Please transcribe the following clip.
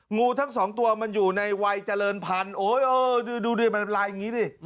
งูทั้งสองตัวมันอยู่ในวัยเจริญพันธุ์ดูดิมันลายอย่างนี้ดิ